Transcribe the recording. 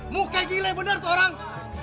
muka gila benar tuh orang